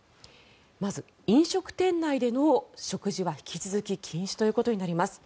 まず飲食店内での食事は引き続き禁止となります。